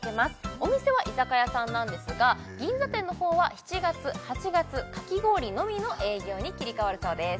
お店は居酒屋さんなんですが銀座店の方は７月８月かき氷のみの営業に切り替わるそうです